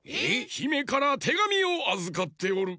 ひめからてがみをあずかっておる。